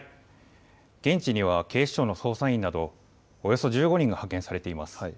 現地には警視庁の捜査員などおよそ１５人が派遣されています。